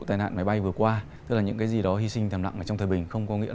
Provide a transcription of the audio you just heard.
tai nạn máy bay vừa qua tức là những cái gì đó hy sinh thầm lặng là trong thời bình không có nghĩa